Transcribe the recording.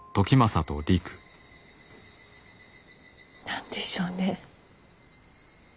何でしょうね。